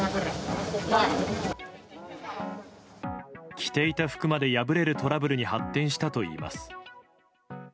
着ていた服まで破れるトラブルに発展したといいます。